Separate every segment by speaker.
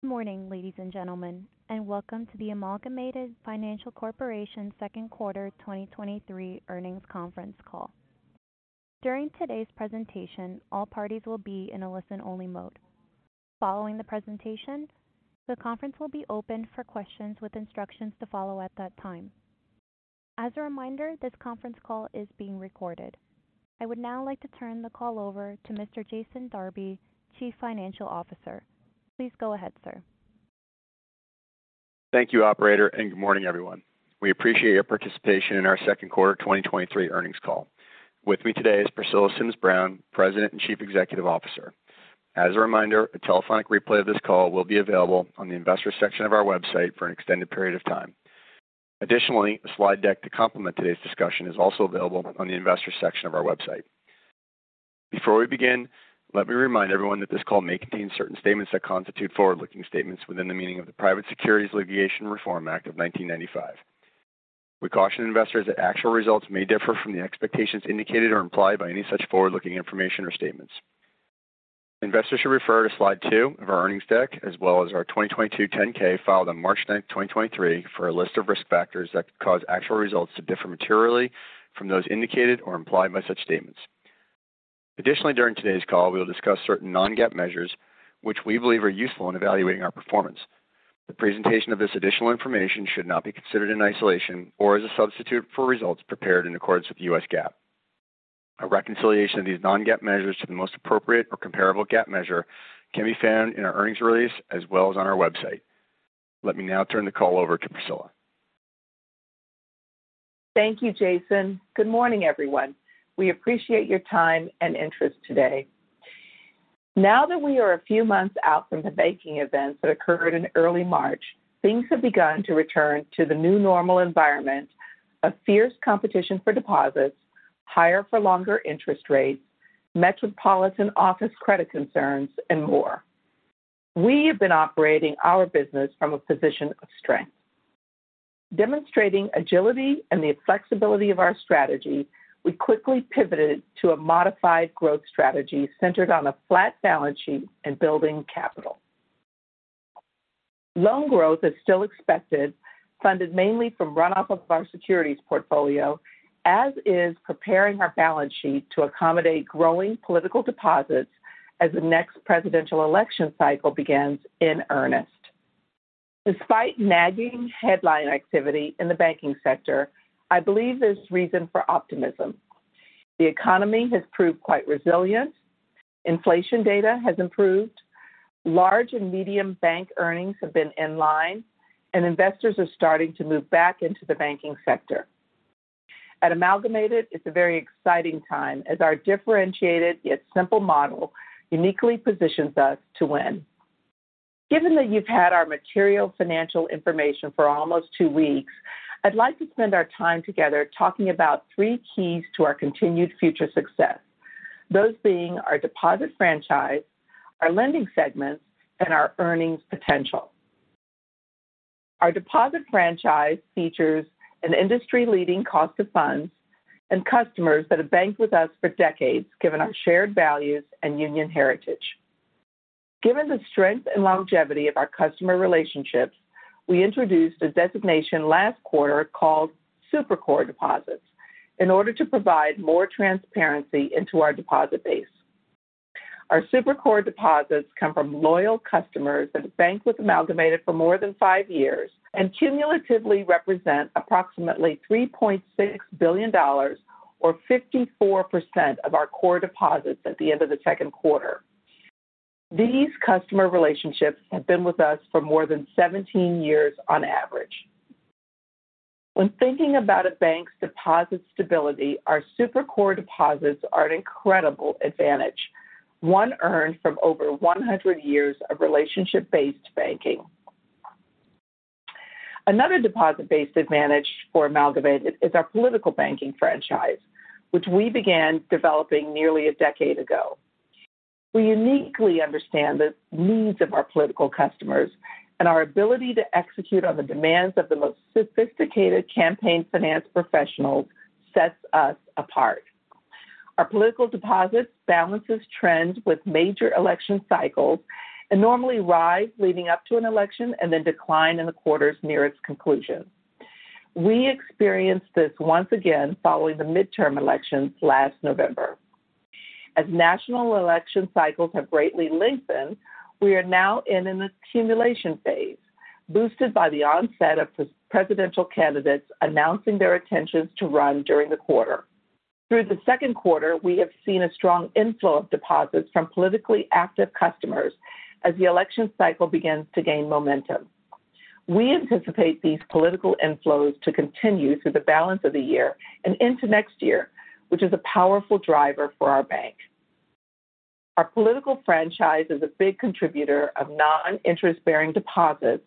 Speaker 1: Good morning, ladies and gentlemen, welcome to the Amalgamated Financial Corp. Second Quarter 2023 Earnings Conference Call. During today's presentation, all parties will be in a listen-only mode. Following the presentation, the conference will be opened for questions with instructions to follow at that time. As a reminder, this conference call is being recorded. I would now like to turn the call over to Mr. Jason Darby, Chief Financial Officer. Please go ahead, sir.
Speaker 2: Thank you, operator. Good morning, everyone. We appreciate your participation in our second quarter 2023 earnings call. With me today is Priscilla Sims Brown, President and Chief Executive Officer. As a reminder, a telephonic replay of this call will be available on the Investors section of our website for an extended period of time. A slide deck to complement today's discussion is also available on the Investors section of our website. Before we begin, let me remind everyone that this call may contain certain statements that constitute forward-looking statements within the meaning of the Private Securities Litigation Reform Act of 1995. We caution investors that actual results may differ from the expectations indicated or implied by any such forward-looking information or statements. Investors should refer to slide two of our earnings deck, as well as our 2022 10-K, filed on March 9, 2023, for a list of risk factors that could cause actual results to differ materially from those indicated or implied by such statements. Additionally, during today's call, we will discuss certain non-GAAP measures which we believe are useful in evaluating our performance. The presentation of this additional information should not be considered in isolation or as a substitute for results prepared in accordance with U.S. GAAP. A reconciliation of these non-GAAP measures to the most appropriate or comparable GAAP measure can be found in our earnings release as well as on our website. Let me now turn the call over to Priscilla.
Speaker 3: Thank you, Jason. Good morning, everyone. We appreciate your time and interest today. Now that we are a few months out from the banking events that occurred in early March, things have begun to return to the new normal environment of fierce competition for deposits, higher for longer interest rates, metropolitan office credit concerns, and more. We have been operating our business from a position of strength. Demonstrating agility and the flexibility of our strategy, we quickly pivoted to a modified growth strategy centered on a flat balance sheet and building capital. Loan growth is still expected, funded mainly from runoff of our securities portfolio, as is preparing our balance sheet to accommodate growing political deposits as the next presidential election cycle begins in earnest. Despite nagging headline activity in the banking sector, I believe there's reason for optimism. The economy has proved quite resilient, inflation data has improved, large and medium bank earnings have been in line, investors are starting to move back into the banking sector. At Amalgamated, it's a very exciting time as our differentiated yet simple model uniquely positions us to win. Given that you've had our material financial information for almost 2 weeks, I'd like to spend our time together talking about 3 keys to our continued future success, those being our deposit franchise, our lending segments, and our earnings potential. Our deposit franchise features an industry-leading cost of funds and customers that have banked with us for decades, given our shared values and union heritage. Given the strength and longevity of our customer relationships, we introduced a designation last quarter called Super Core deposits in order to provide more transparency into our deposit base. Our Super Core deposits come from loyal customers that have banked with Amalgamated for more than 5 years and cumulatively represent approximately $3.6 billion, or 54% of our core deposits at the end of the second quarter. These customer relationships have been with us for more than 17 years on average. When thinking about a bank's deposit stability, our Super Core deposits are an incredible advantage, one earned from over 100 years of relationship-based banking. Another deposit-based advantage for Amalgamated is our political banking franchise, which we began developing nearly a decade ago. We uniquely understand the needs of our political customers, and our ability to execute on the demands of the most sophisticated campaign finance professionals sets us apart. Our political deposits balances trend with major election cycles and normally rise leading up to an election and then decline in the quarters near its conclusion. We experienced this once again following the midterm elections last November. As national election cycles have greatly lengthened, we are now in an accumulation phase, boosted by the onset of presidential candidates announcing their intentions to run during the quarter. Through the second quarter, we have seen a strong inflow of deposits from politically active customers as the election cycle begins to gain momentum. We anticipate these political inflows to continue through the balance of the year and into next year, which is a powerful driver for our bank. Our political franchise is a big contributor of non-interest-bearing deposits,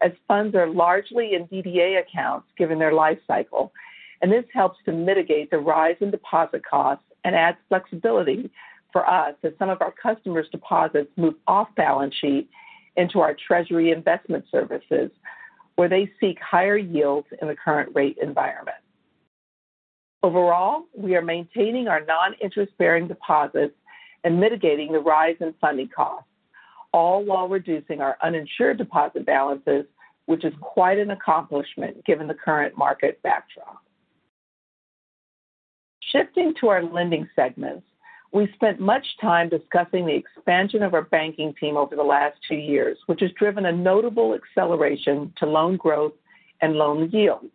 Speaker 3: as funds are largely in DDA accounts given their life cycle, and this helps to mitigate the rise in deposit costs and adds flexibility for us as some of our customers' deposits move off balance sheet into our treasury investment services, where they seek higher yields in the current rate environment. Overall, we are maintaining our non-interest bearing deposits and mitigating the rise in funding costs, all while reducing our uninsured deposit balances, which is quite an accomplishment given the current market backdrop. Shifting to our lending segments, we've spent much time discussing the expansion of our banking team over the last two years, which has driven a notable acceleration to loan growth and loan yields.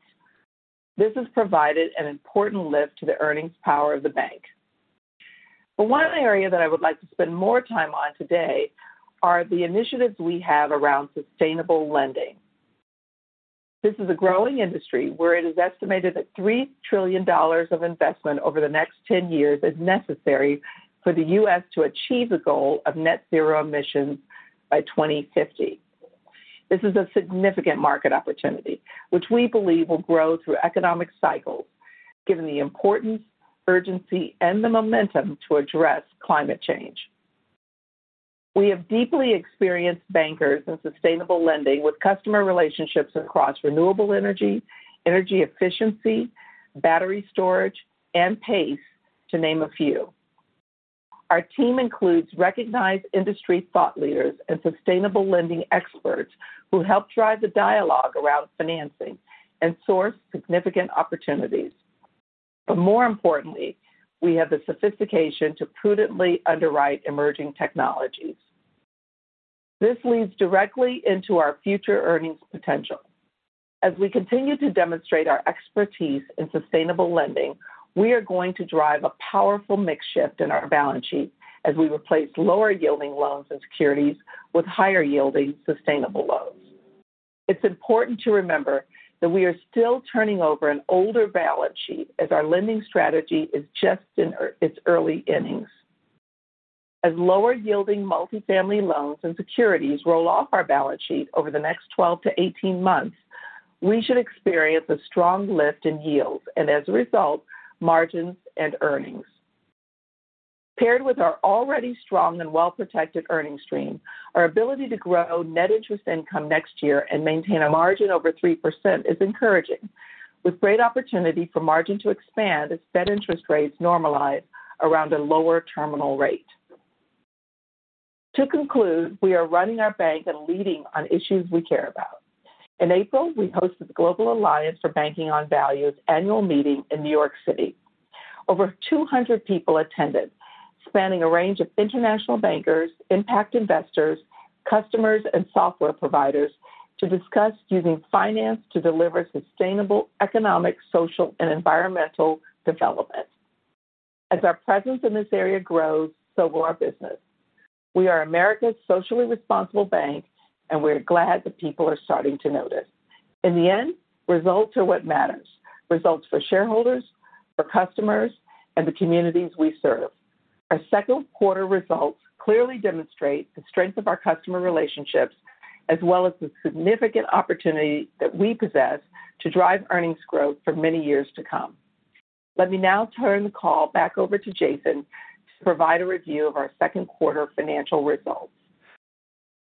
Speaker 3: One area that I would like to spend more time on today are the initiatives we have around sustainable lending. This is a growing industry where it is estimated that $3 trillion of investment over the next 10 years is necessary for the U.S. to achieve a goal of net zero emissions by 2050. This is a significant market opportunity, which we believe will grow through economic cycles, given the importance, urgency, and the momentum to address climate change. We have deeply experienced bankers in sustainable lending with customer relationships across renewable energy, energy efficiency, battery storage, and PACE, to name a few. Our team includes recognized industry thought leaders and sustainable lending experts who help drive the dialogue around financing and source significant opportunities. More importantly, we have the sophistication to prudently underwrite emerging technologies. This leads directly into our future earnings potential. As we continue to demonstrate our expertise in sustainable lending, we are going to drive a powerful mix shift in our balance sheet as we replace lower-yielding loans and securities with higher-yielding, sustainable loans. It's important to remember that we are still turning over an older balance sheet as our lending strategy is just in its early innings. As lower-yielding multifamily loans and securities roll off our balance sheet over the next 12-18 months, we should experience a strong lift in yields and, as a result, margins and earnings. Paired with our already strong and well-protected earnings stream, our ability to grow net interest income next year and maintain a margin over 3% is encouraging, with great opportunity for margin to expand as fed interest rates normalize around a lower terminal rate. To conclude, we are running our bank and leading on issues we care about. In April, we hosted the Global Alliance for Banking on Values annual meeting in New York City. Over 200 people attended, spanning a range of international bankers, impact investors, customers, and software providers to discuss using finance to deliver sustainable economic, social, and environmental development. As our presence in this area grows, so will our business. We are America's socially responsible bank, and we're glad that people are starting to notice. In the end, results are what matters. Results for shareholders, for customers, and the communities we serve. Our second quarter results clearly demonstrate the strength of our customer relationships, as well as the significant opportunity that we possess to drive earnings growth for many years to come. Let me now turn the call back over to Jason to provide a review of our second quarter financial results.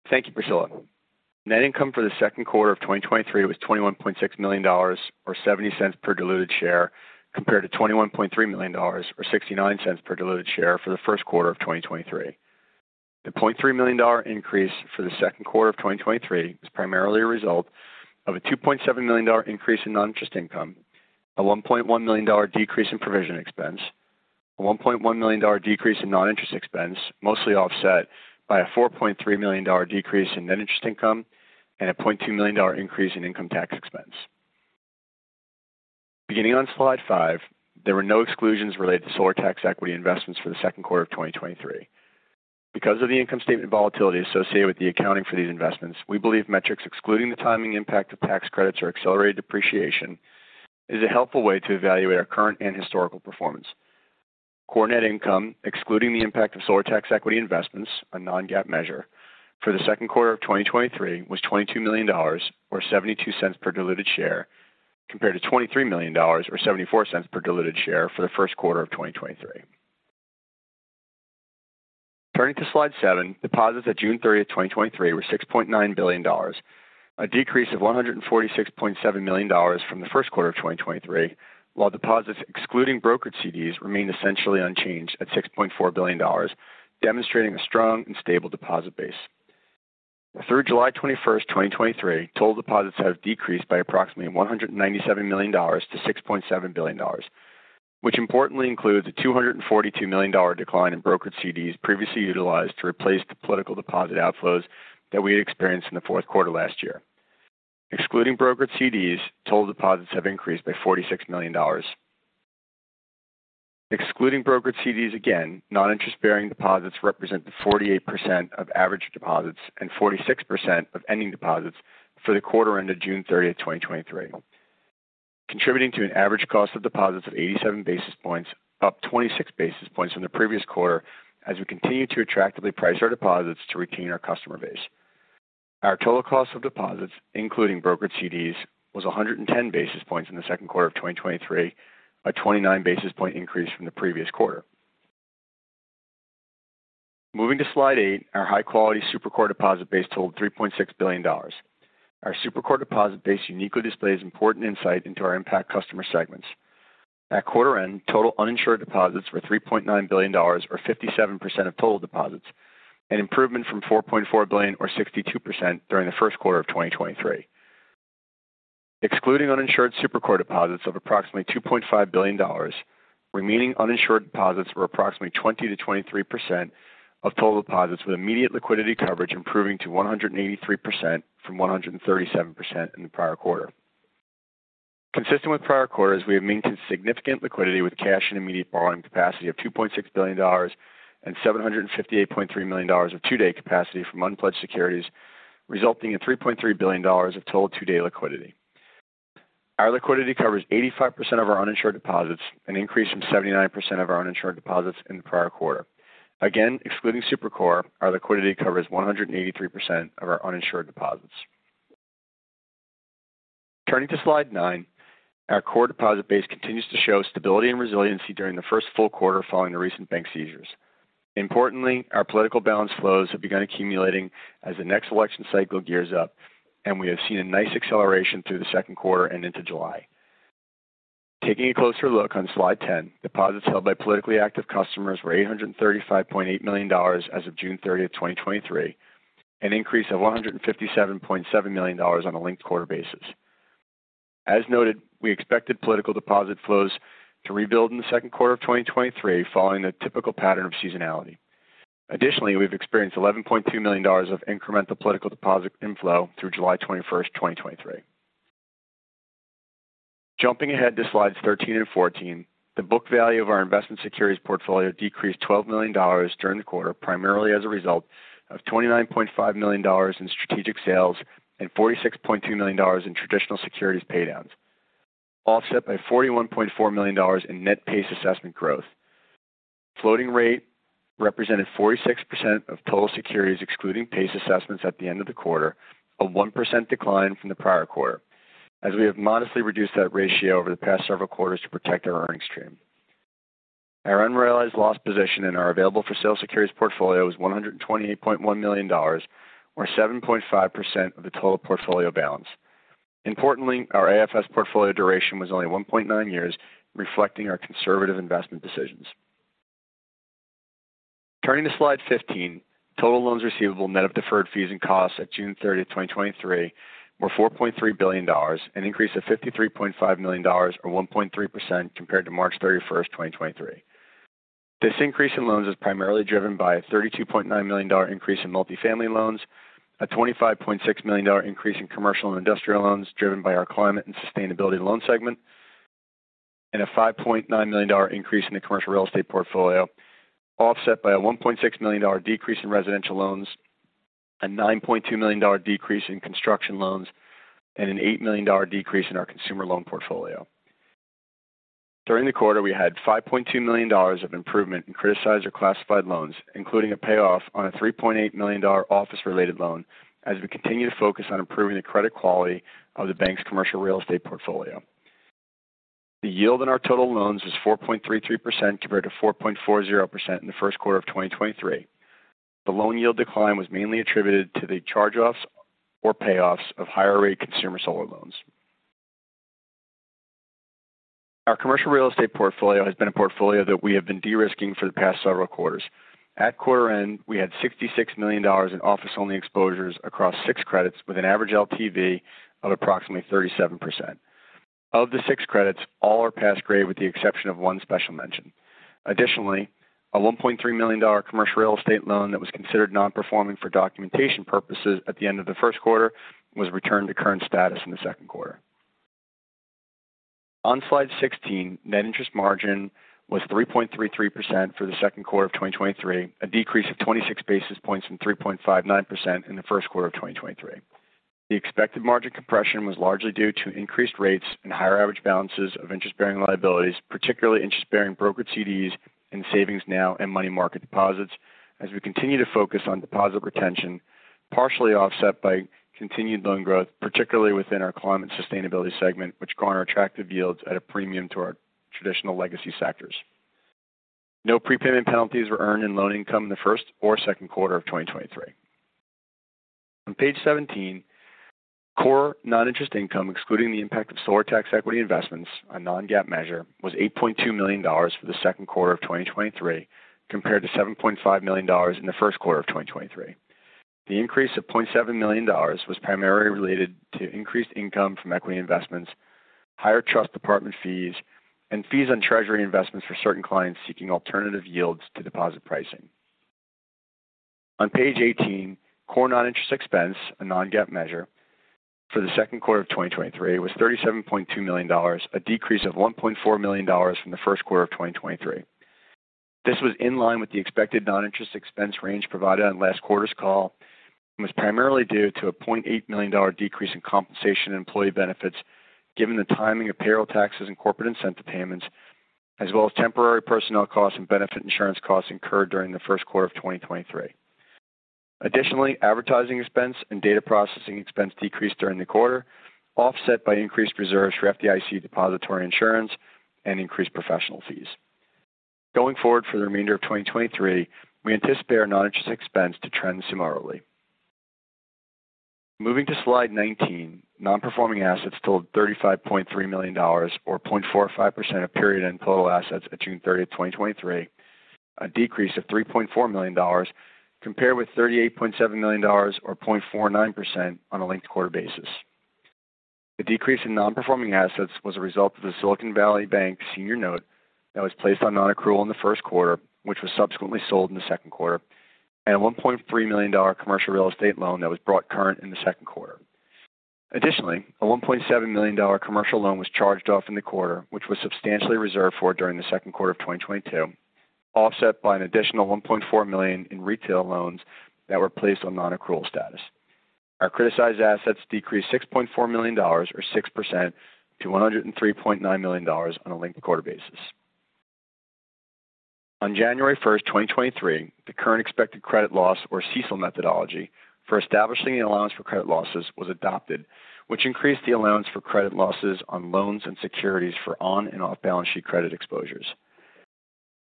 Speaker 2: Thank you, Priscilla. Net income for the second quarter of 2023 was $21.6 million or $0.70 per diluted share, compared to $21.3 million or $0.69 per diluted share for the Q1 of 2023. The $0.3 million increase for the second quarter of 2023 is primarily a result of a $2.7 million increase in non-interest income, a $1.1 million decrease in provision expense, a $1.1 million decrease in non-interest expense, mostly offset by a $4.3 million decrease in net interest income, and a $0.2 million increase in income tax expense. Beginning on slide 5, there were no exclusions related to solar tax equity investments for the second quarter of 2023. Because of the income statement volatility associated with the accounting for these investments, we believe metrics excluding the timing impact of tax credits or accelerated depreciation is a helpful way to evaluate our current and historical performance. Core net income, excluding the impact of solar tax equity investments, a non-GAAP measure for the second quarter of 2023 was $22 million, or $0.72 per diluted share, compared to $23 million or $0.74 per diluted share for the Q1 of 2023. Turning to slide seven. Deposits at June 30, 2023, were $6.9 billion, a decrease of $146.7 million from the Q1 of 2023, while deposits excluding brokered CDs remained essentially unchanged at $6.4 billion, demonstrating a strong and stable deposit base. Through July 21, 2023, total deposits have decreased by approximately $197 million to $6.7 billion, which importantly includes a $242 million decline in brokered CDs previously utilized to replace the political deposit outflows that we experienced in the fourth quarter last year. Excluding brokered CDs, total deposits have increased by $46 million. Excluding brokered CDs again, non-interest-bearing deposits represent 48% of average deposits and 46% of ending deposits for the quarter ended June 30, 2023, contributing to an average cost of deposits of 87 basis points, up 26 basis points in the previous quarter. We continue to attractively price our deposits to retain our customer base. Our total cost of deposits, including brokered CDs, was 110 basis points in the second quarter of 2023, a 29 basis point increase from the previous quarter. Moving to Slide eight, our high quality super core deposit base totaled $3.6 billion. Our super core deposit base uniquely displays important insight into our impact customer segments. At quarter end, total uninsured deposits were $3.9 billion, or 57% of total deposits, an improvement from $4.4 billion or 62% during the Q1 of 2023. Excluding uninsured super core deposits of approximately $2.5 billion, remaining uninsured deposits were approximately 20%-23% of total deposits, with immediate liquidity coverage improving to 183% from 137% in the prior quarter. Consistent with prior quarters, we have maintained significant liquidity with cash and immediate borrowing capacity of $2.6 billion and $758.3 million of 2-day capacity from unpledged securities, resulting in $3.3 billion of total 2-day liquidity. Our liquidity covers 85% of our uninsured deposits, an increase from 79% of our uninsured deposits in the prior quarter. Again, excluding super core, our liquidity covers 183% of our uninsured deposits. Turning to Slide 9, our core deposit base continues to show stability and resiliency during the first full quarter following the recent bank seizures. Importantly, our political balance flows have begun accumulating as the next election cycle gears up. We have seen a nice acceleration through the second quarter and into July. Taking a closer look on Slide 10, deposits held by politically active customers were $835.8 million as of June 30, 2023, an increase of $157.7 million on a linked quarter basis. As noted, we expected political deposit flows to rebuild in the second quarter of 2023, following the typical pattern of seasonality. Additionally, we've experienced $11.2 million of incremental political deposit inflow through July 21, 2023. Jumping ahead to Slides 13 and 14, the book value of our investment securities portfolio decreased $12 million during the quarter, primarily as a result of $29.5 million in strategic sales and $46.2 million in traditional securities pay downs, offset by $41.4 million in net PACE assessment growth. Floating rate represented 46% of total securities, excluding PACE assessments at the end of the quarter, a 1% decline from the prior quarter, as we have modestly reduced that ratio over the past several quarters to protect our earnings stream. Our unrealized loss position in our available for sale securities portfolio is $128.1 million, or 7.5% of the total portfolio balance. Importantly, our AFS portfolio duration was only 1.9 years, reflecting our conservative investment decisions. Turning to Slide 15, total loans receivable net of deferred fees and costs at June 30, 2023, were $4.3 billion, an increase of $53.5 million, or 1.3% compared to March 31, 2023. This increase in loans is primarily driven by a $32.9 million increase in multifamily loans, a $25.6 million increase in commercial and industrial loans driven by our climate and sustainability loan segment, and a $5.9 million increase in the commercial real estate portfolio, offset by a $1.6 million decrease in residential loans, a $9.2 million decrease in construction loans, and an $8 million decrease in our consumer loan portfolio. During the quarter, we had $5.2 million of improvement in criticized or classified loans, including a payoff on a $3.8 million office-related loan. We continue to focus on improving the credit quality of the bank's commercial real estate portfolio, the yield on our total loans is 4.33%, compared to 4.40% in the Q1 of 2023. The loan yield decline was mainly attributed to the charge-offs or payoffs of higher rate consumer solar loans. Our commercial real estate portfolio has been a portfolio that we have been de-risking for the past several quarters. At quarter end, we had $66 million in office-only exposures across 6 credits, with an average LTV of approximately 37%. Of the 6 credits, all are pass grade, with the exception of one special mention. Additionally, a $1.3 million commercial real estate loan that was considered non-performing for documentation purposes at the end of the Q1 was returned to current status in the second quarter. On Slide 16, net interest margin was 3.33% for the second quarter of 2023, a decrease of 26 basis points from 3.59% in the Q1 of 2023. The expected margin compression was largely due to increased rates and higher average balances of interest-bearing liabilities, particularly interest-bearing brokered CDs and Savings Now and money market deposits, as we continue to focus on deposit retention, partially offset by continued loan growth, particularly within our climate sustainability segment, which garner attractive yields at a premium to our traditional legacy sectors. No prepayment penalties were earned in loan income in the Q1 or Q2 of 2023. On page 17, core non-interest income, excluding the impact of solar tax equity investments, a non-GAAP measure, was $8.2 million for the second quarter of 2023, compared to $7.5 million in the Q1 of 2023. The increase of $0.7 million was primarily related to increased income from equity investments, higher trust department fees, and fees on treasury investments for certain clients seeking alternative yields to deposit pricing. On page 18, core non-interest expense, a non-GAAP measure for the second quarter of 2023, was $37.2 million, a decrease of $1.4 million from the Q1 of 2023. This was in line with the expected non-interest expense range provided on last quarter's call and was primarily due to a $0.8 million decrease in compensation and employee benefits, given the timing of payroll taxes and corporate incentive payments, as well as temporary personnel costs and benefit insurance costs incurred during the Q1 of 2023. Additionally, advertising expense and data processing expense decreased during the quarter, offset by increased reserves for FDIC depository insurance and increased professional fees. Going forward for the remainder of 2023, we anticipate our non-interest expense to trend similarly. Moving to slide 19, non-performing assets totaled $35.3 million, or 0.45% of period end total assets at June 30th, 2023, a decrease of $3.4 million compared with $38.7 million or 0.49% on a linked quarter basis. The decrease in non-performing assets was a result of the Silicon Valley Bank senior note that was placed on non-accrual in the Q1, which was subsequently sold in the second quarter, and a $1.3 million commercial real estate loan that was brought current in the second quarter. A $1.7 million commercial loan was charged off in the quarter, which was substantially reserved for during the second quarter of 2022, offset by an additional $1.4 million in retail loans that were placed on non-accrual status. Our criticized assets decreased $6.4 million, or 6% to $103.9 million on a linked quarter basis. On January 1, 2023, the current expected credit loss, or CECL methodology for establishing the allowance for credit losses was adopted, which increased the allowance for credit losses on loans and securities for on and off-balance sheet credit exposures.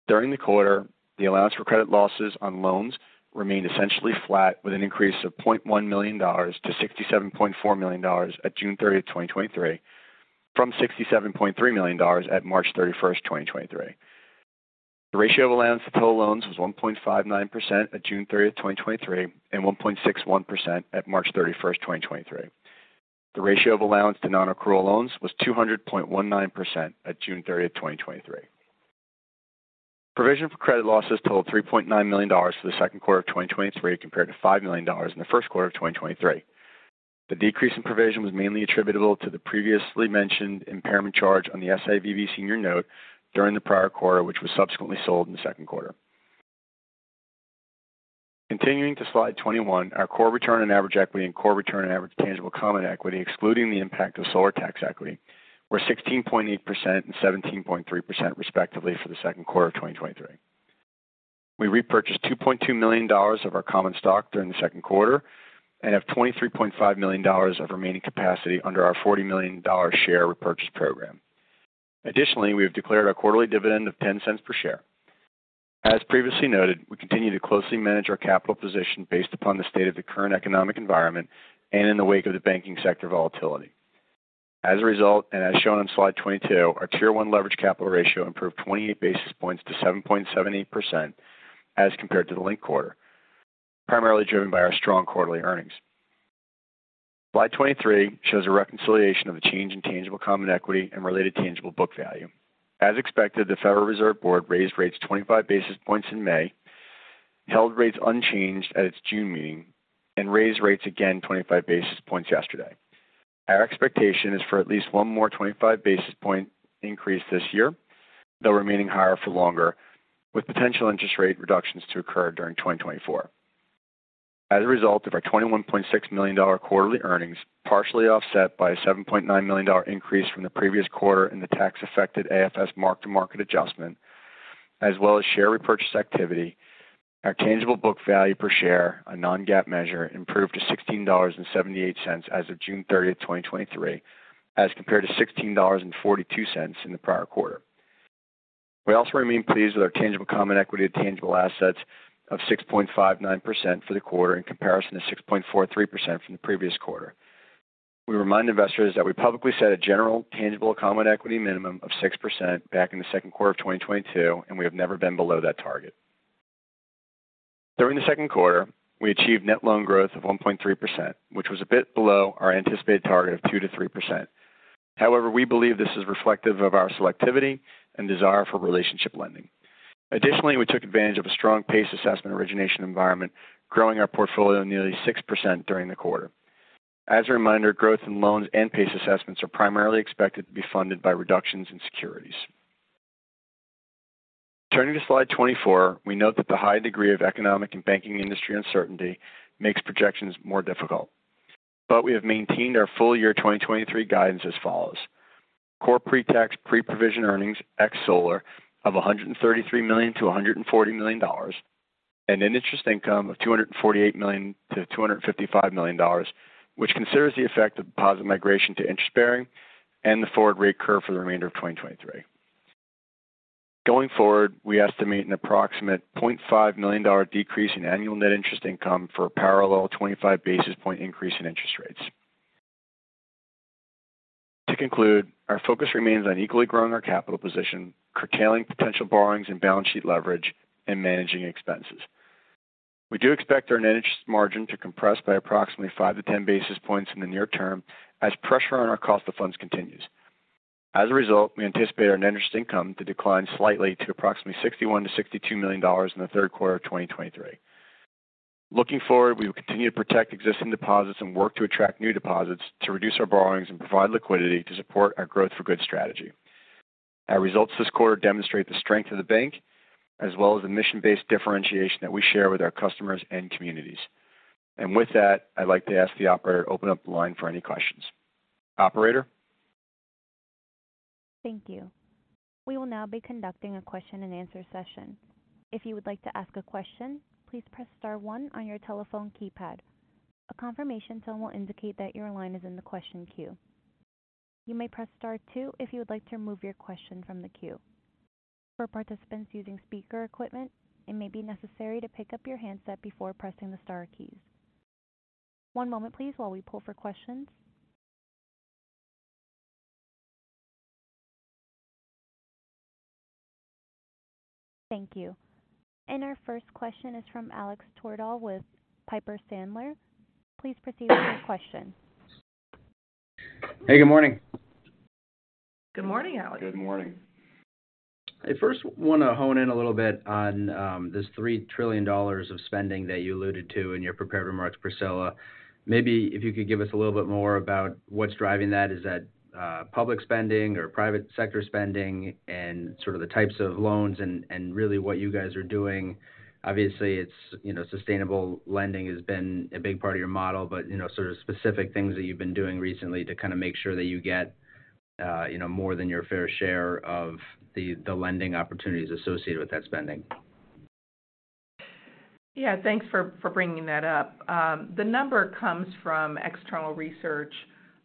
Speaker 2: During the quarter, the allowance for credit losses on loans remained essentially flat, with an increase of $0.1 million to $67.4 million at June 30, 2023, from $67.3 million at March 31, 2023. The ratio of allowance to total loans was 1.59% at June 30, 2023, and 1.61% at March 31, 2023. The ratio of allowance to non-accrual loans was 200.19% at June 30, 2023. Provision for credit losses totaled $3.9 million for the second quarter of 2023, compared to $5 million in the Q1 of 2023. The decrease in provision was mainly attributable to the previously mentioned impairment charge on the SIVB senior note during the prior quarter, which was subsequently sold in the second quarter. Continuing to slide 21, our core return on average equity and core return on average tangible common equity, excluding the impact of solar tax equity, were 16.8% and 17.3%, respectively, for the second quarter of 2023. We repurchased $2.2 million of our common stock during the second quarter and have $23.5 million of remaining capacity under our $40 million share repurchase program. Additionally, we have declared a quarterly dividend of $0.10 per share. As previously noted, we continue to closely manage our capital position based upon the state of the current economic environment and in the wake of the banking sector volatility. As a result, and as shown on slide 22, our Tier One leverage capital ratio improved 28 basis points to 7.78% as compared to the linked quarter, primarily driven by our strong quarterly earnings. Slide 23 shows a reconciliation of the change in tangible common equity and related tangible book value. As expected, the Federal Reserve Board raised rates 25 basis points in May, held rates unchanged at its June meeting, and raised rates again 25 basis points yesterday. Our expectation is for at least one more 25 basis point increase this year, though remaining higher for longer, with potential interest rate reductions to occur during 2024. As a result of our $21.6 million quarterly earnings, partially offset by a $7.9 million increase from the previous quarter in the tax affected AFS mark-to-market adjustment, as well as share repurchase activity, our tangible book value per share, a non-GAAP measure, improved to $16.78 as of June 30, 2023, as compared to $16.42 in the prior quarter. We also remain pleased with our tangible common equity to tangible assets of 6.59% for the quarter, in comparison to 6.43% from the previous quarter. We remind investors that we publicly set a general tangible common equity minimum of 6% back in the second quarter of 2022. We have never been below that target. During the second quarter, we achieved net Loan growth of 1.3%, which was a bit below our anticipated target of 2%-3%. However, we believe this is reflective of our selectivity and desire for relationship lending. We took advantage of a strong PACE assessment origination environment, growing our portfolio nearly 6% during the quarter. As a reminder, growth in loans and PACE assessments are primarily expected to be funded by reductions in securities. Turning to slide 24, we note that the high degree of economic and banking industry uncertainty makes projections more difficult, but we have maintained our full year 2023 guidance as follows: core pre-tax, pre-provision earnings ex solar of $133 million-$140 million, and an interest income of $248 million-$255 million, which considers the effect of deposit migration to interest bearing and the forward rate curve for the remainder of 2023. Going forward, we estimate an approximate $0.5 million decrease in annual net interest income for a parallel 25 basis point increase in interest rates. To conclude, our focus remains on equally growing our capital position, curtailing potential borrowings and balance sheet leverage, and managing expenses. We do expect our net interest margin to compress by approximately 5-10 basis points in the near term as pressure on our cost of funds continues. As a result, we anticipate our net interest income to decline slightly to approximately $61 million-$62 million in the third quarter of 2023. Looking forward, we will continue to protect existing deposits and work to attract new deposits to reduce our borrowings and provide liquidity to support our Growth for Good strategy. Our results this quarter demonstrate the strength of the bank as well as the mission-based differentiation that we share with our customers and communities. With that, I'd like to ask the operator to open up the line for any questions. Operator?
Speaker 1: Thank you. We will now be conducting a question-and-answer session. If you would like to ask a question, please press star one on your telephone keypad. A confirmation tone will indicate that your line is in the question queue. You may press star two if you would like to remove your question from the queue. For participants using speaker equipment, it may be necessary to pick up your handset before pressing the star keys. One moment please, while we pull for questions. Thank you. Our first question is from Alex Twerdahl with Piper Sandler. Please proceed with your question.
Speaker 4: Hey, good morning.
Speaker 3: Good morning, Alex.
Speaker 2: Good morning.
Speaker 4: I first want to hone in a little bit on this $3 trillion of spending that you alluded to in your prepared remarks, Priscilla. Maybe if you could give us a little bit more about what's driving that. Is that public spending or private sector spending and really what you are doing. Obviously, it's, you know, sustainable lending has been a big part of your model, but, you know, sort of specific things that you've been doing recently to kind of make sure that you get, you know, more than your fair share of the lending opportunities associated with that spending.
Speaker 3: Thanks for bringing that up. The number comes from external research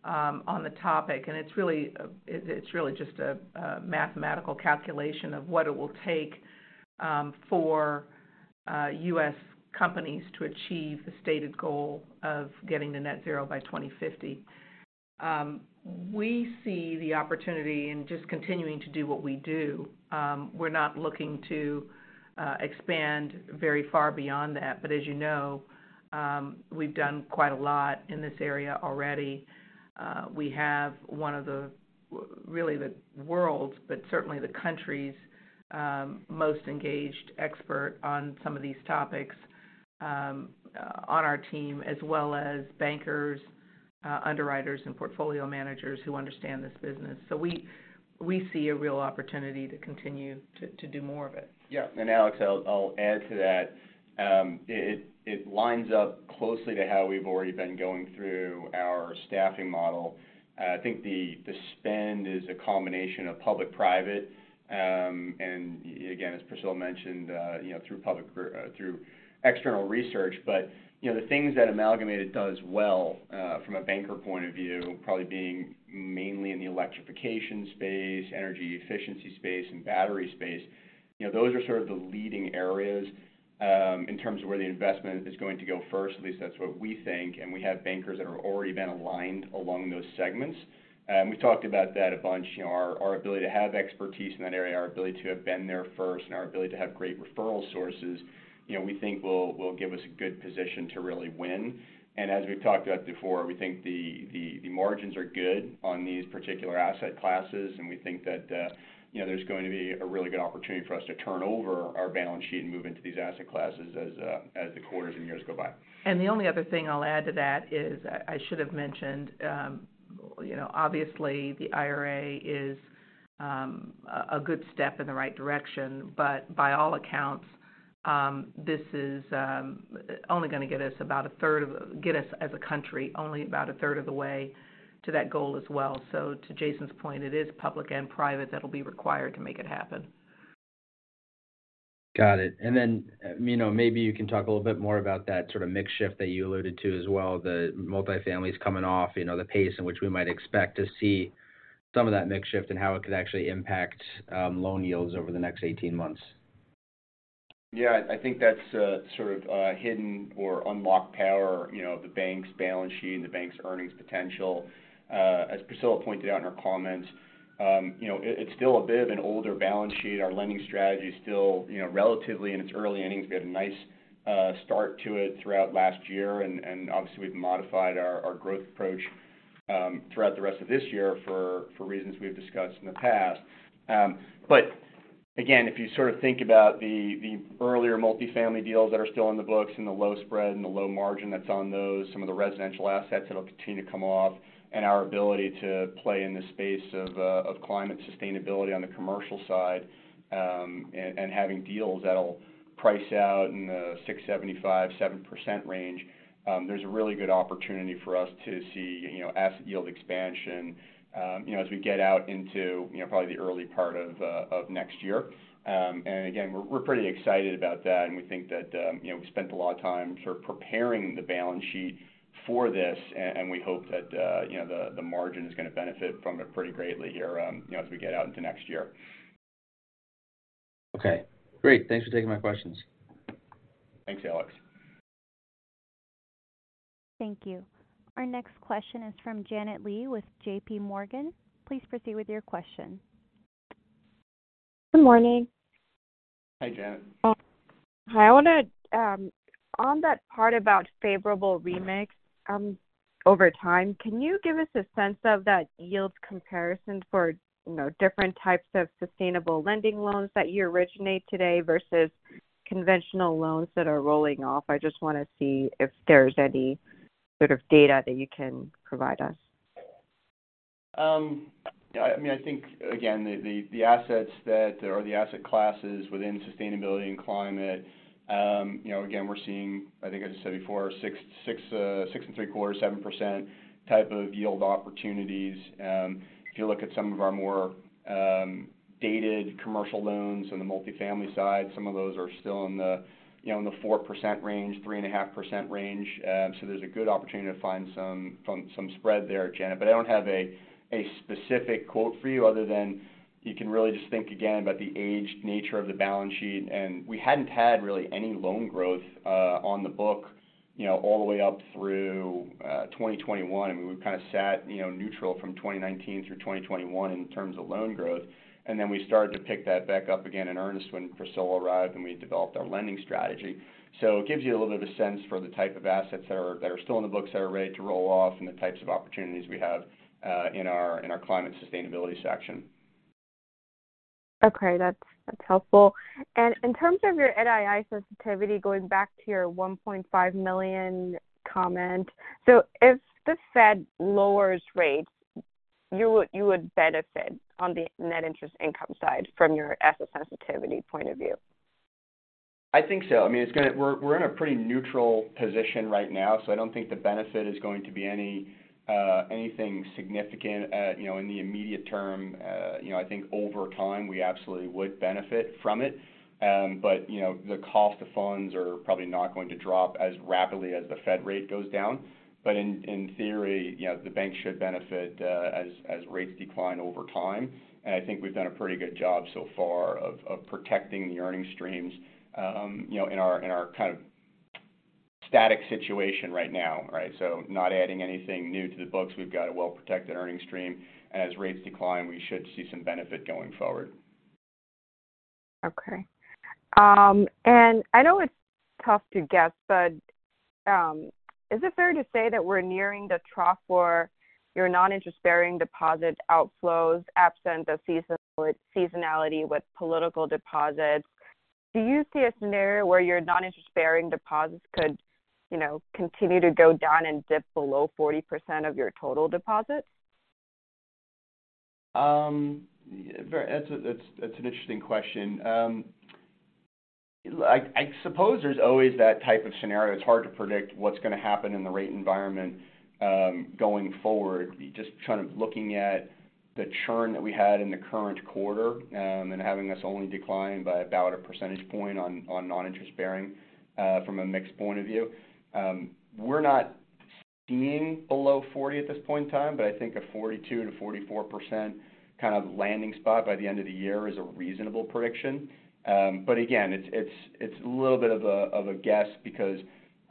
Speaker 3: on the topic, and it's really just a mathematical calculation of what it will take for U.S. companies to achieve the stated goal of getting to net zero by 2050. We see the opportunity in just continuing to do what we do. We're not looking to expand very far beyond that, but as you know, we've done quite a lot in this area already. We have one of the really the world's, but certainly the country's, most engaged expert on some of these topics on our team, as well as bankers, underwriters, and portfolio managers who understand this business. We see a real opportunity to continue to do more of it.
Speaker 2: Yeah. Alex, I'll add to that. It lines up closely to how we've already been going through our staffing model. I think the spend is a combination of public-private. Again, as Priscilla mentioned, you know, through public, through external research. You know, the things that Amalgamated does well, from a banker point of view, probably being mainly in the electrification space, energy efficiency space, and battery space, you know, those are sort of the leading areas, in terms of where the investment is going to go first. At least that's what we think, and we have bankers that have already been aligned along those segments. We've talked about that a bunch. You know, our ability to have expertise in that area, our ability to have been there first, and our ability to have great referral sources, you know, we think will give us a good position to really win. As we've talked about before, we think the margins are good on these particular asset classes, and we think that, you know, there's going to be a really good opportunity for us to turn over our balance sheet and move into these asset classes as the quarters and years go by.
Speaker 3: The only other thing I'll add to that is, I should have mentioned, you know, obviously the IRA is a good step in the right direction. By all accounts, this is only going to get us as a country, only about a third of the way to that goal as well. To Jason's point, it is public and private that will be required to make it happen.
Speaker 4: Got it. you know, maybe you can talk a little bit more about that sort of mix shift that you alluded to as well, the multifamily is coming off, you know, the pace in which we might expect to see some of that mix shift and how it could actually impact, loan yields over the next 18 months?
Speaker 2: I think that's a sort of hidden or unlocked power, you know, the bank's balance sheet and the bank's earnings potential. As Priscilla pointed out in her comments, you know, it's still a bit of an older balance sheet. Our lending strategy is still, you know, relatively in its early innings. We had a nice start to it throughout last year, and obviously, we've modified our growth approach throughout the rest of this year for reasons we've discussed in the past. Again, if you sort of think about the earlier multifamily deals that are still on the books and the low spread and the low margin that's on those, some of the residential assets that'll continue to come off, and our ability to play in the space of climate sustainability on the commercial side, and having deals that'll price out in the 6.75%-7% range, there's a really good opportunity for us to see asset yield expansion as we get out into probably the early part of next year. Again, we're, we're pretty excited about that, and we think that, you know, we spent a lot of time sort of preparing the balance sheet for this, and we hope that, you know, the, the margin is going to benefit from it pretty greatly here, you know, as we get out into next year.
Speaker 4: Okay, great. Thanks for taking my questions.
Speaker 2: Thanks, Alex.
Speaker 1: Thank you. Our next question is from Janet Lee with JPMorgan. Please proceed with your question.
Speaker 5: Good morning.
Speaker 2: Hi, Janet.
Speaker 5: Hi. I want to, on that part about favorable remix, over time, can you give us a sense of that yield comparison for, you know, different types of sustainable lending loans that you originate today versus conventional loans that are rolling off? I just want to see if there's any sort of data that you can provide us.
Speaker 2: I mean, I think again, the assets that, or the asset classes within sustainability and climate, you know, again, we're seeing, I think I said before, 6 and three quarter, 7% type of yield opportunities. If you look at some of our more dated commercial loans on the multifamily side, some of those are still in the, you know, in the 4% range, 3 and a half% range. There's a good opportunity to find some spread there, Janet. I don't have a specific quote for you other than you can really just think again about the aged nature of the balance sheet. We hadn't had really any loan growth on the book, you know, all the way up through 2021. I mean, we kind of sat, you know, neutral from 2019 through 2021 in terms of loan growth, and then we started to pick that back up again in earnest when Priscilla arrived, and we developed our lending strategy. It gives you a little bit of a sense for the type of assets that are still on the books, that are ready to roll off, and the types of opportunities we have in our climate sustainability section.
Speaker 5: Okay, that's helpful. In terms of your NII sensitivity, going back to your $1.5 million comment. If the Fed lowers rates, you would benefit on the net interest income side from your asset sensitivity point of view?
Speaker 2: I think so. I mean, it's going to we're in a pretty neutral position right now, so I don't think the benefit is going to be any anything significant at, you know, in the immediate term. You know, I think over time, we absolutely would benefit from it. You know, the cost of funds are probably not going to drop as rapidly as the Fed rate goes down. In, in theory, you know, the bank should benefit as rates decline over time. I think we've done a pretty good job so far of protecting the earnings streams, you know, in our kind of static situation right now, right? Not adding anything new to the books. We've got a well-protected earnings stream, and as rates decline, we should see some benefit going forward.
Speaker 5: Okay. I know it's tough to guess, but is it fair to say that we're nearing the trough for your non-interest-bearing deposit outflows, absent the seasonality with political deposits? Do you see a scenario where your non-interest-bearing deposits could, you know, continue to go down and dip below 40% of your total deposits?
Speaker 2: That's an interesting question. I suppose there's always that type of scenario. It's hard to predict what's going to happen in the rate environment going forward. Just kind of looking at the churn that we had in the current quarter and having us only decline by about 1 percentage point on non-interest-bearing from a mix point of view. We're not seeing below 40 at this point in time, but I think a 42 % and a 44% kind of landing spot by the end of the year is a reasonable prediction. Again, it's a little bit of a guess because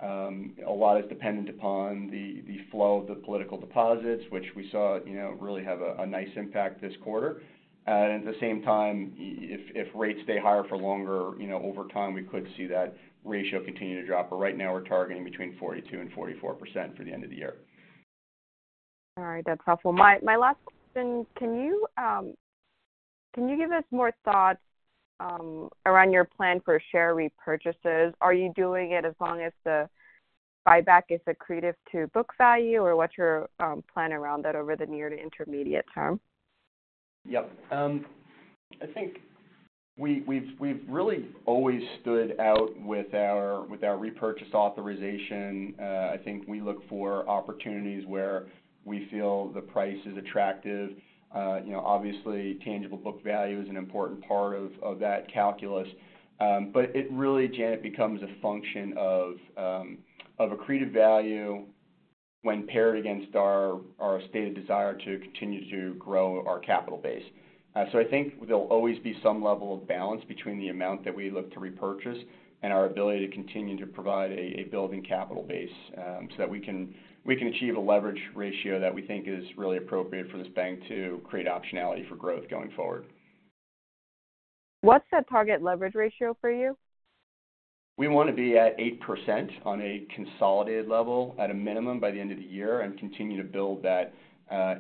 Speaker 2: a lot is dependent upon the flow of the political deposits, which we saw, you know, really have a nice impact this quarter. At the same time, if rates stay higher for longer, you know, over time, we could see that ratio continue to drop. Right now, we're targeting between 42% and 44% for the end of the year.
Speaker 5: All right. That's helpful. My last question, can you give us more thoughts around your plan for share repurchases? Are you doing it as long as the buyback is accretive to book value, or what's your plan around that over the near to intermediate term?
Speaker 2: Yep. I think we've really always stood out with our repurchase authorization. I think we look for opportunities where we feel the price is attractive. You know, obviously, tangible book value is an important part of that calculus. But it really, Janet, becomes a function of accreted value when paired against our stated desire to continue to grow our capital base. I think there'll always be some level of balance between the amount that we look to repurchase and our ability to continue to provide a building capital base so that we can achieve a leverage ratio that we think is really appropriate for this bank to create optionality for growth going forward.
Speaker 5: What's that target leverage ratio for you?
Speaker 2: We want to be at 8% on a consolidated level at a minimum by the end of the year and continue to build that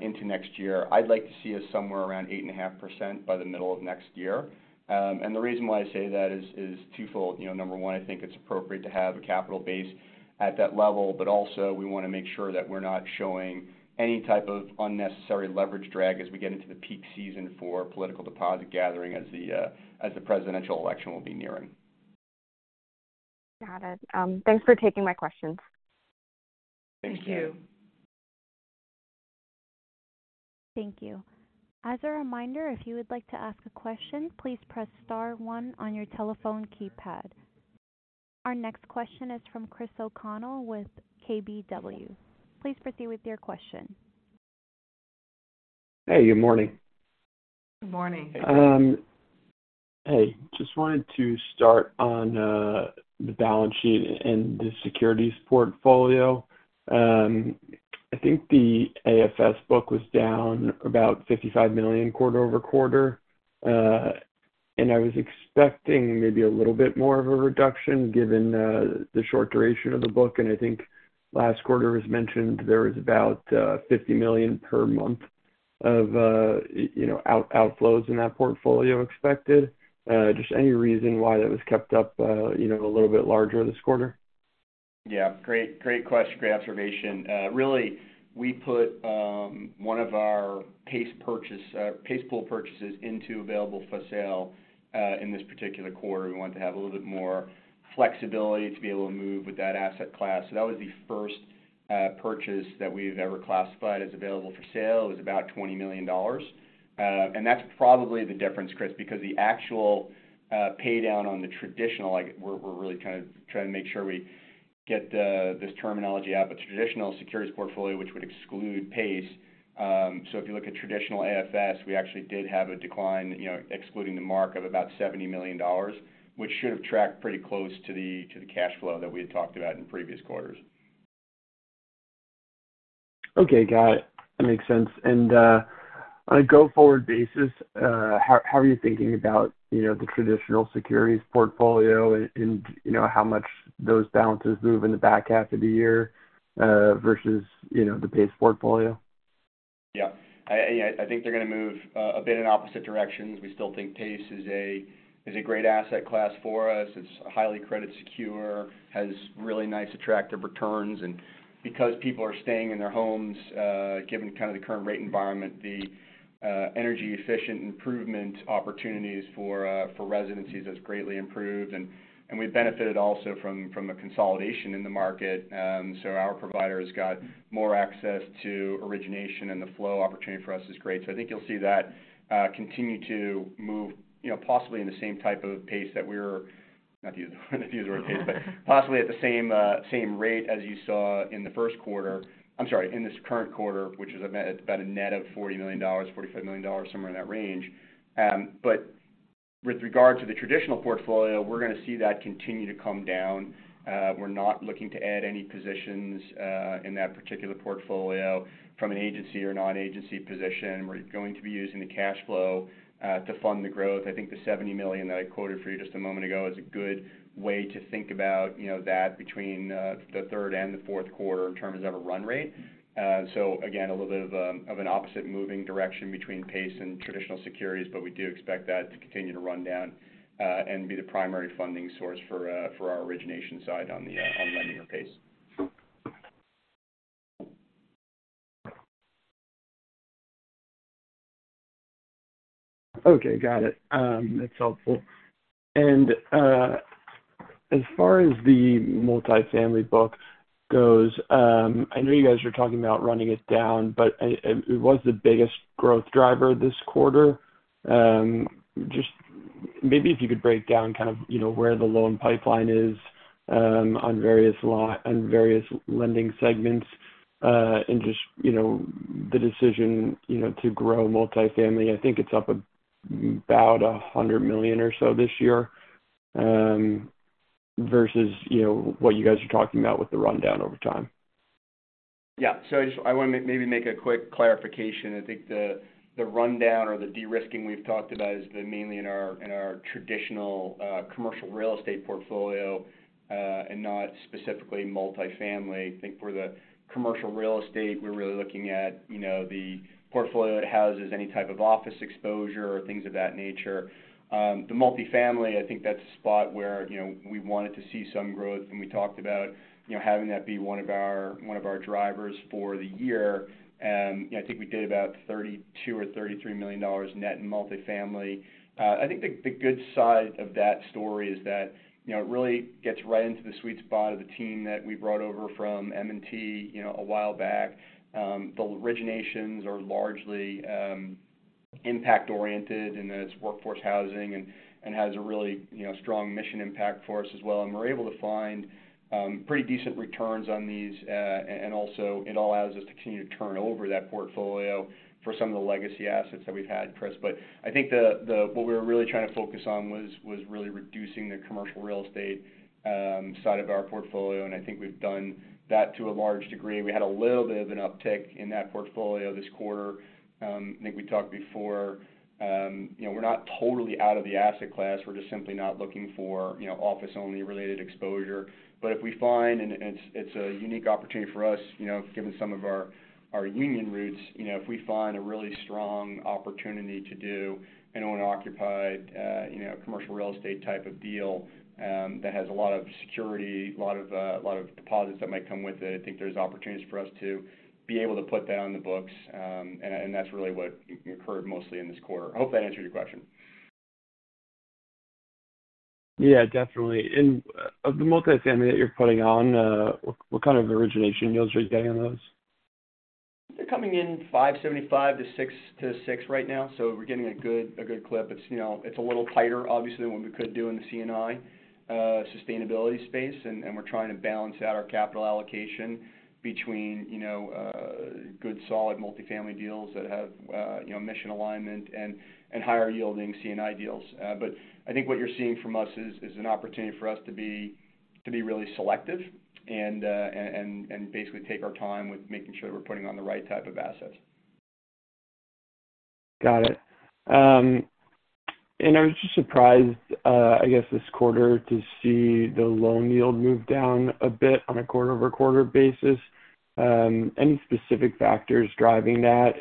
Speaker 2: into next year. I'd like to see us somewhere around 8.5% by the middle of next year. The reason why I say that is twofold. You know, number one, I think it's appropriate to have a capital base at that level, but also we want to make sure that we're not showing any type of unnecessary leverage drag as we get into the peak season for political deposit gathering, as the presidential election will be nearing.
Speaker 5: Got it. Thanks for taking my questions.
Speaker 2: Thank you.
Speaker 1: Thank you. As a reminder, if you would like to ask a question, please press star one on your telephone keypad. Our next question is from Chris O'Connell with KBW. Please proceed with your question.
Speaker 6: Hey, good morning.
Speaker 2: Good morning.
Speaker 6: Hey, just wanted to start on the balance sheet and the securities portfolio. I think the AFS book was down about $55 million quarter-over-quarter. I was expecting maybe a little bit more of a reduction, given the short duration of the book. I think last quarter was mentioned there was about $50 million per month of, you know, outflows in that portfolio expected. Just any reason why that was kept up, you know, a little bit larger this quarter?
Speaker 2: Yeah, great question. Great observation. Really, we put one of our PACE purchase, PACE pool purchases into available for sale in this particular quarter. We wanted to have a little bit more flexibility to be able to move with that asset class. That was the first purchase that we've ever classified as available for sale. It was about $20 million. That's probably the difference, Chris, because the actual pay down on the traditional, like, we're really kind of trying to make sure we get this terminology out, but traditional securities portfolio, which would exclude PACE. If you look at traditional AFS, we actually did have a decline, you know, excluding the mark of about $70 million, which should have tracked pretty close to the, to the cash flow that we had talked about in previous quarters.
Speaker 6: Okay, got it. That makes sense. On a go-forward basis, how are you thinking about, you know, the traditional securities portfolio and, you know, how much those balances move in the back half of the year, versus, you know, the PACEportfolio?
Speaker 2: Yeah. I think they're going to move a bit in opposite directions. We still think PACE is a great asset class for us. It's highly credit secure, has really nice, attractive returns, and because people are staying in their homes, given kind of the current rate environment, the energy efficient improvement opportunities for residencies has greatly improved. We've benefited also from a consolidation in the market. Our provider has got more access to origination, and the flow opportunity for us is great. I think you'll see that continue to move, you know, possibly in the same type of pace that we were... Not the, not the user pace, but possibly at the same rate as you saw in the Q1, I'm sorry, in this current quarter, which is about a net of $40 million, $45 million, somewhere in that range. With regard to the traditional portfolio, we're going to see that continue to come down. We're not looking to add any positions in that particular portfolio from an agency or non-agency position. We're going to be using the cash flow to fund the growth. I think the $70 million that I quoted for you just a moment ago is a good way to think about, you know, that between the third and the fourth quarter in terms of a run rate. Again, a little bit of an opposite moving direction between PACE and traditional securities, but we do expect that to continue to run down, and be the primary funding source for, for our origination side on lending or PACE.
Speaker 6: Okay, got it. That's helpful. As far as the multifamily book goes, I know you are talking about running it down, but it was the biggest growth driver this quarter. Just maybe if you could break down kind of, you know, where the loan pipeline is, on various lending segments, just, you know, the decision, you know, to grow multifamily. I think it's up about $100 million or so this year, versus, you know, what you are talking about with the rundown over time.
Speaker 2: I want to maybe make a quick clarification. I think the rundown or the de-risking we've talked about has been mainly in our traditional commercial real estate portfolio and not specifically multifamily. I think for the commercial real estate, we're really looking at, you know, the portfolio that houses any type of office exposure or things of that nature. The multifamily, I think that's a spot where, you know, we wanted to see some growth, and we talked about, you know, having that be one of our drivers for the year. I think we did about $32 million or $33 million net in multifamily. I think the good side of that story is that it really gets right into the sweet spot of the team that we brought over from M&T a while back. The originations are largely impact oriented, and it's workforce housing and has a really strong mission impact for us as well. And we're able to find pretty decent returns on these, and also it allows us to continue to turn over that portfolio for some of the legacy assets that we've had, Chris. I think what we were really trying to focus on was really reducing the commercial real estate side of our portfolio, and I think we've done that to a large degree. We had a little bit of an uptick in that portfolio this quarter. I think we talked before, you know, we're not totally out of the asset class. We're just simply not looking for, you know, office-only related exposure. If we find, and it's a unique opportunity for us, you know, given some of our, our union roots, you know, if we find a really strong opportunity to do an owner-occupied, you know, commercial real estate type of deal, that has a lot of security, a lot of deposits that might come with it, I think there's opportunities for us to be able to put that on the books. That's really what occurred mostly in this quarter. I hope that answered your question.
Speaker 6: Yeah, definitely. Of the multifamily that you're putting on, what kind of origination yields are you getting on those?
Speaker 2: They're coming in 5.75 to 6 right now. We're getting a good clip. It's, you know, it's a little tighter, obviously, than what we could do in the C&I sustainability space, and we're trying to balance out our capital allocation between, you know, good, solid multifamily deals that have, you know, mission alignment and higher-yielding C&I deals. I think what you're seeing from us is an opportunity for us to be really selective and basically take our time with making sure that we're putting on the right type of assets.
Speaker 6: Got it. I was just surprised, I guess this quarter, to see the loan yield move down a bit on a quarter-over-quarter basis. Any specific factors driving that?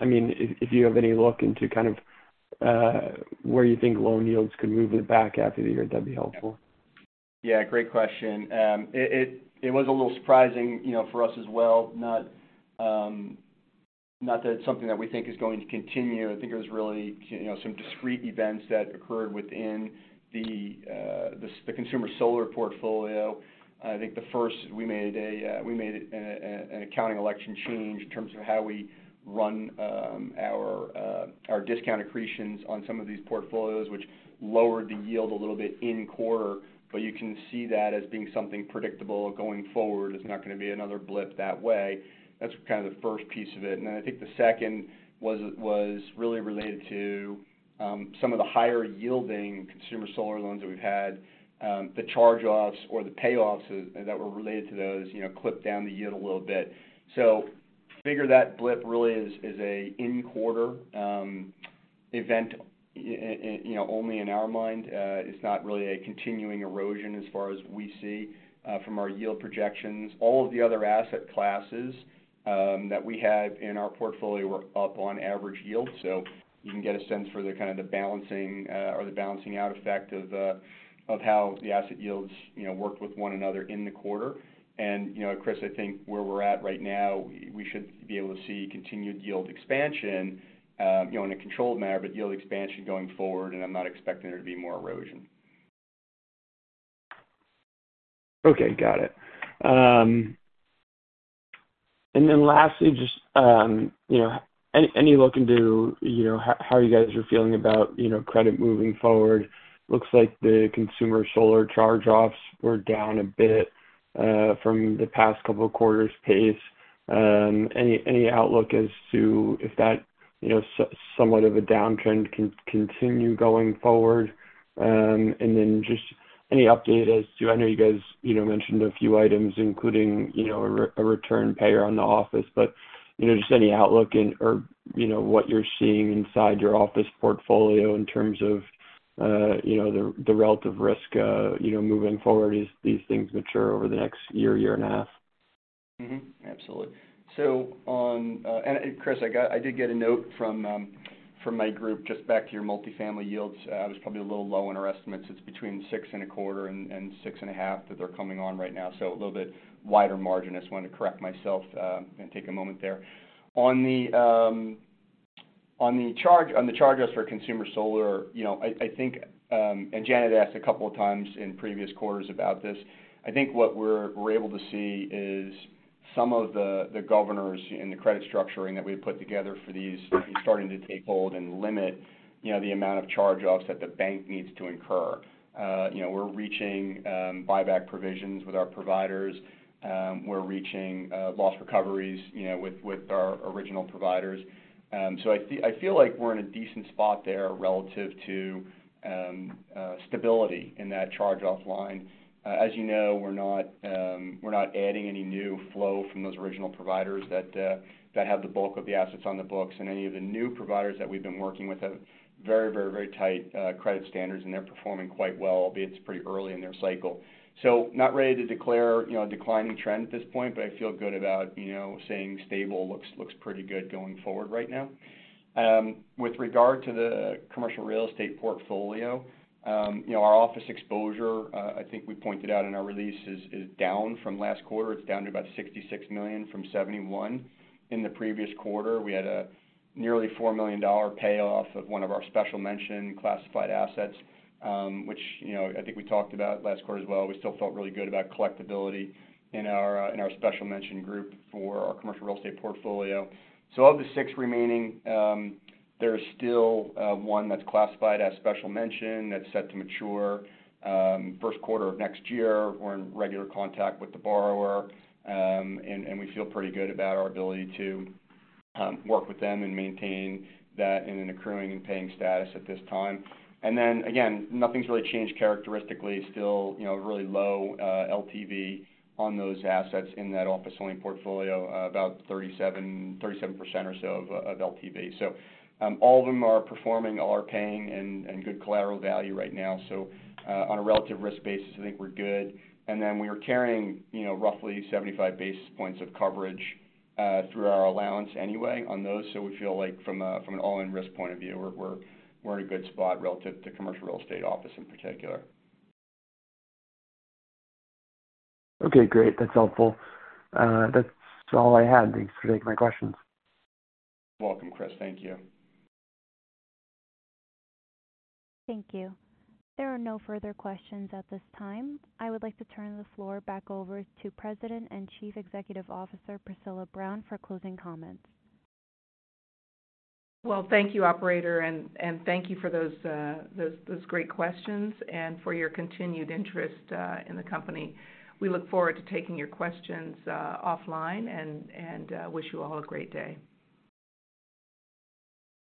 Speaker 6: I mean, if, if you have any look into kind of, where you think loan yields could move in the back half of the year, that'd be helpful.
Speaker 2: Yeah, great question. It was a little surprising, you know, for us as well, not that it's something that we think is going to continue. I think it was really, you know, some discrete events that occurred within the consumer solar portfolio. I think the first, we made an accounting election change in terms of how we run our discount accretions on some of these portfolios, which lowered the yield a little bit in quarter. You can see that as being something predictable going forward, it's not gonna be another blip that way. That's kind of the first piece of it. Then I think the second was really related to some of the higher yielding consumer solar loans that we've had. The charge offs or the payoffs that were related to those, you know, clipped down the yield a little bit. Figure that blip really is, is a in quarter event, you know, only in our mind. It's not really a continuing erosion as far as we see from our yield projections. All of the other asset classes that we had in our portfolio were up on average yield. You can get a sense for the kind of the balancing or the balancing out effect of the, of how the asset yields, you know, worked with one another in the quarter. You know, Chris, I think where we're at right now, we should be able to see continued yield expansion, you know, in a controlled manner, but yield expansion going forward, and I'm not expecting there to be more erosion.
Speaker 6: Okay, got it. Lastly, just, you know, any look into, you know, how you are feeling about, you know, credit moving forward? Looks like the consumer solar charge-offs were down a bit from the past couple of quarters pace. Any outlook as to if that, you know, somewhat of a downtrend can continue going forward? Just any update as to... I know you mentioned a few items, including, you know, a return payer on the office, but, you know, just any outlook in or, you know, what you're seeing inside your office portfolio in terms of, you know, the relative risk, you know, moving forward as these things mature over the next year, year and a half.
Speaker 2: Absolutely. On, and Chris, I did get a note from my group, just back to your multifamily yields. I was probably a little low in our estimates. It's between 6 and a quarter and 6 and a half that they're coming on right now, so a little bit wider margin. I just wanted to correct myself and take a moment there. On the charge-offs for consumer solar, you know, I think, and Janet asked a couple of times in previous quarters about this. I think what we're able to see is some of the governors in the credit structuring that we put together for these starting to take hold and limit, you know, the amount of charge-offs that the bank needs to incur. You know, we're reaching buyback provisions with our providers. We're reaching loss recoveries, you know, with our original providers. I feel like we're in a decent spot there relative to stability in that charge-off line. As you know, we're not adding any new flow from those original providers that have the bulk of the assets on the books. Any of the new providers that we've been working with have very tight credit standards, and they're performing quite well, albeit it's pretty early in their cycle. Not ready to declare, you know, a declining trend at this point, but I feel good about, you know, saying stable looks pretty good going forward right now. With regard to the commercial real estate portfolio, you know, our office exposure, I think we pointed out in our release, is down from last quarter. It's down to about $66 million from $71 million. In the previous quarter, we had a nearly $4 million payoff of one of our special mention classified assets, which, you know, I think we talked about last quarter as well. We still felt really good about collectibility in our special mention group for our commercial real estate portfolio. Of the six remaining, there's still one that's classified as special mention that's set to mature Q1 of next year. We're in regular contact with the borrower, and we feel pretty good about our ability to work with them and maintain that in an accruing and paying status at this time. Again, nothing's really changed characteristically. Still, you know, really low LTV on those assets in that office-only portfolio, about 37% or so of LTV. All of them are performing, all are paying and good collateral value right now. On a relative risk basis, I think we're good. We are carrying, you know, roughly 75 basis points of coverage through our allowance anyway on those. We feel like from a, from an all-in risk point of view, we're in a good spot relative to commercial real estate office in particular.
Speaker 6: Okay, great. That's helpful. That's all I had. Thanks for taking my questions.
Speaker 2: You're welcome, Chris. Thank you.
Speaker 1: Thank you. There are no further questions at this time. I would like to turn the floor back over to President and Chief Executive Officer, Priscilla Brown, for closing comments.
Speaker 3: Well, thank you, operator, and thank you for those great questions and for your continued interest in the company. We look forward to taking your questions offline and wish you all a great day.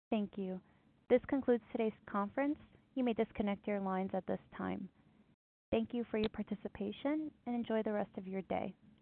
Speaker 1: Thank you. This concludes today's conference. You may disconnect your lines at this time. Thank you for your participation, and enjoy the rest of your day.